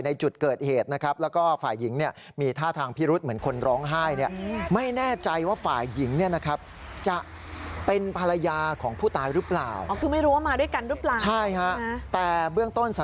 ในจุดเกิดเหตุนะครับ